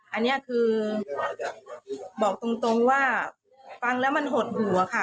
อันนี้คือบอกตรงว่าฟังแล้วมันหดหัวค่ะ